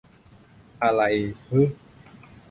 อะไรฮึ